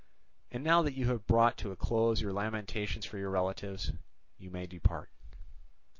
"And now that you have brought to a close your lamentations for your relatives, you may depart."